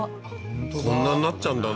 こんなんなっちゃうんだね